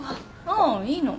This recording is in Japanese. ああいいの。